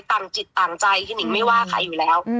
จิตต่างใจพี่หนิงไม่ว่าใครอยู่แล้ว